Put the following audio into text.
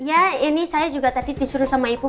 ya ini saya juga tadi disuruh sama ibu